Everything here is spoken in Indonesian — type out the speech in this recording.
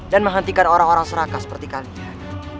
dan menghentikan orang orang seraka seperti kalian